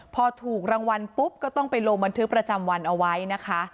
พอถูกรางวัลปุ๊บก็ต้องไปลงบันทึกประจำวันเอาไว้นะคะ